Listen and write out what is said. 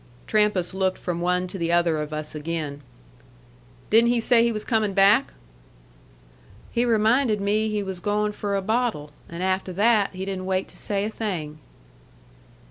Trampas looked from one to the other of us again. "Didn't he say he was coming back?" "He reminded me he was going for a bottle, and afteh that he didn't wait to say a thing."